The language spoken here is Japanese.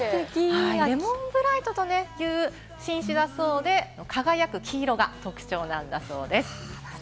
レモンブライトという品種だそうで、輝く黄色が特徴だそうです。